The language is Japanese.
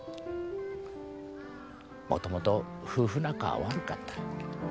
もともと夫婦仲は悪かった。